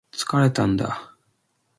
疲れたんだ